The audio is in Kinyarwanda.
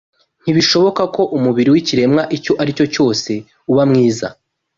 Ntibishoboka ko umubiri w’ikiremwa icyo aricyo cyose uba mwiza